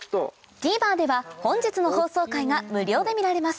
ＴＶｅｒでは本日の放送回が無料で見られます